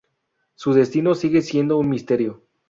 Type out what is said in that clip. Su destino sigue siendo un misterio.